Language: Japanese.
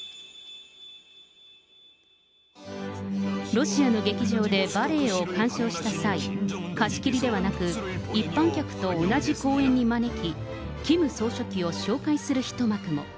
ロシアの劇場でバレエを鑑賞した際、貸し切りではなく、一般客と同じ公演に招き、キム総書記を紹介する一幕も。